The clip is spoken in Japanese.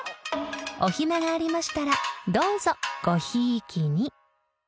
［お暇がありましたらどうぞごひいきに］